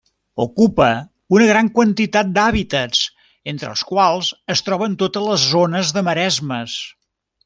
Ocupa una gran quantitat d'hàbitats, entre els quals es troben totes les zones de maresmes.